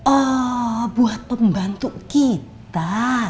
oh buat pembantu kita